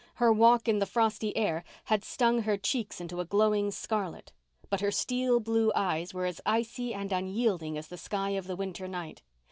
Her walk in the frosty air had stung her cheeks into a glowing scarlet. But her steel blue eyes were as icy and unyielding as the sky of the winter night.